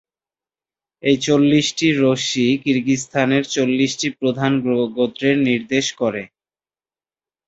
এই চল্লিশটি রশ্মি কিরগিজস্তানের চল্লিশটি প্রধান গোত্রের নির্দেশ করে।